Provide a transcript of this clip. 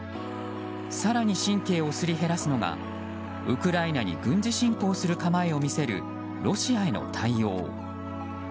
更に神経をすり減らすのがウクライナに軍事侵攻する構えを見せるロシアへの対応。